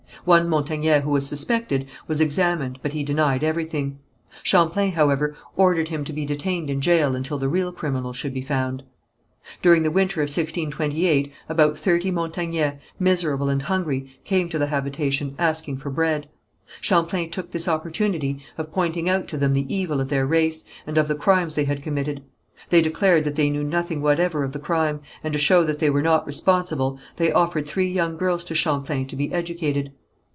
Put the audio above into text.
One Montagnais who was suspected, was examined, but he denied everything. Champlain, however, ordered him to be detained in jail until the real criminal should be found. During the winter of 1628, about thirty Montagnais, miserable and hungry, came to the habitation, asking for bread. Champlain took this opportunity of pointing out to them the evil of their race, and of the crimes they had committed. They declared that they knew nothing whatever of the crime, and to show that they were not responsible they offered three young girls to Champlain to be educated.